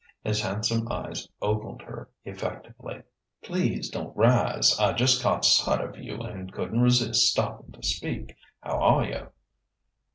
His handsome eyes ogled her effectively. "Please don't rise. I just caught sight of you and couldn't resist stopping to speak. How are you?"